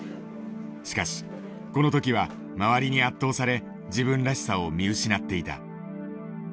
しかしこの時は周りに圧倒され自分らしさを見失っていた。